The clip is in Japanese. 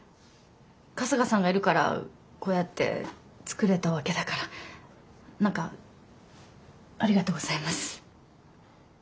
春日さんがいるからこうやって作れたわけだから何かありがとうございます。